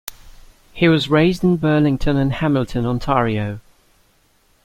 He was raised in Burlington and Hamilton, Ontario.